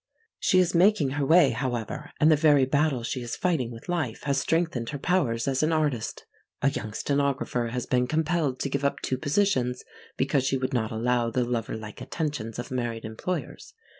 She is making her way, however, and the very battle she is fighting with life has strengthened her powers as an artist. A young stenographer has been compelled to give up two positions because she would not allow the loverlike attentions of married employers.